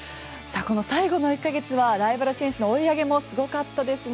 最後の１ヶ月はライバル選手の追い上げもすごかったですね。